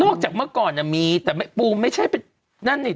จากเมื่อก่อนมีแต่ปูไม่ใช่เป็นนั่นนี่